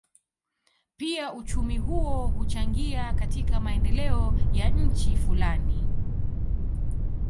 Pia uchumi huo huchangia katika maendeleo ya nchi fulani.